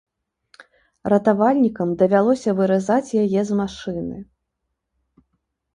Ратавальнікам давялося выразаць яе з машыны.